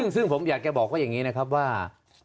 ซึ่งผมอยากจะบอกว่าอย่างนี้นะครับว่า